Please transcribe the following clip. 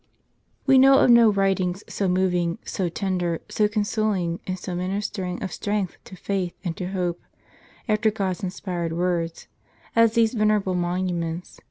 We know of no writ ings so moving, so tender, so consoling, and so ministering of strength to faith and to hope, after God's inspired words, as these venerable monuments.